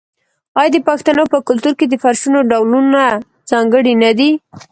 آیا د پښتنو په کلتور کې د فرشونو ډولونه ځانګړي نه دي؟